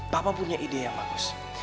tanpa punya ide yang bagus